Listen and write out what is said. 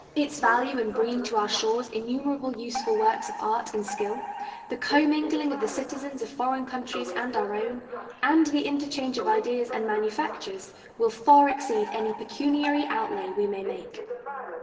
Its value in bringing to our shores innumerable useful works of art and skill, the commingling of the citizens of foreign countries and our own, and the interchange of ideas and manufactures will far exceed any pecuniary outlay we may make.